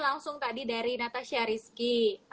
langsung tadi dari natasha rizky